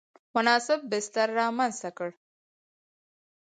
مناسب بستر رامنځته کړ.